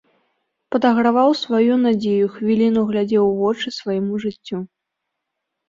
Падаграваў сваю надзею, хвіліну глядзеў у вочы свайму жыццю.